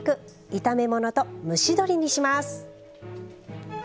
炒め物と蒸し鶏にします。